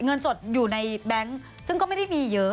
เงินสดอยู่ในแบงค์ซึ่งก็ไม่ได้มีเยอะ